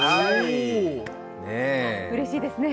うれしいですね。